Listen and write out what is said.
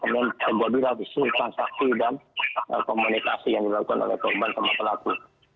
kemudian ke google di sisi transaksi dan komunikasi yang dilakukan oleh korban sama pelaku